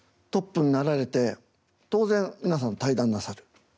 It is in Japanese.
トップになられて当然皆さん退団なさる。